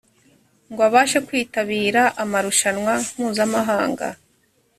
ngo abashe kwitabira amarushanwa mpuzamahanga.